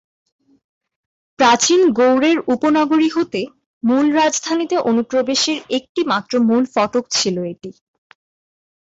প্রাচীন গৌড়ের উপনগরী হতে মূল রাজধানীতে অনুপ্রবেশের একটিমাত্র মূল ফটক ছিলো এটি।